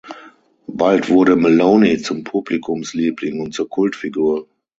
Bald wurde Maloney zum Publikumsliebling und zur Kultfigur.